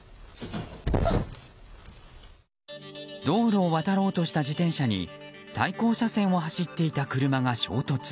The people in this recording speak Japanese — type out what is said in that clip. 道路を渡ろうとした自転車に対向車線を走っていた車が衝突。